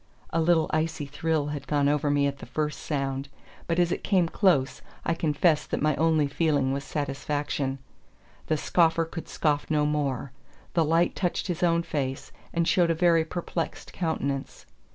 A little icy thrill had gone over me at the first sound, but as it came close, I confess that my only feeling was satisfaction. The scoffer could scoff no more. The light touched his own face, and showed a very perplexed countenance.